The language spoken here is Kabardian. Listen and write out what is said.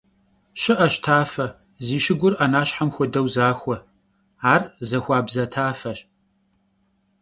Şı'eş tafe, zi şıgur 'enaşhem xuedeu zaxue; ar zaxuabze tafeş.